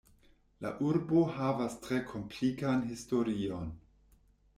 La urbo havas tre komplikan historion.